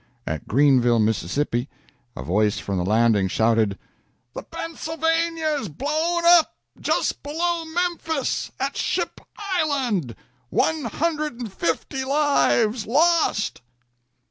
At Greenville, Mississippi, a voice from the landing shouted "The 'Pennsylvania' is blown up just below Memphis, at Ship Island. One hundred and fifty lives lost!"